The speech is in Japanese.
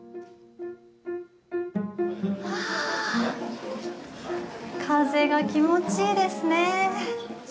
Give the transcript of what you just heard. あぁ、風が気持ちいいですねぇ。